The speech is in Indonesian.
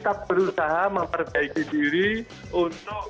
tapi kita berusaha memperbaiki diri untuk